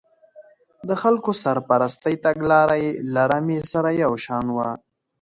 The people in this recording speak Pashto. د خلکو سرپرستۍ تګلاره یې له رمې سره یو شان وه.